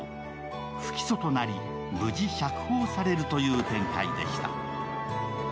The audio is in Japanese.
不起訴となり、無事、釈放されるという展開でした。